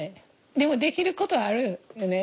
でもできることあるよね。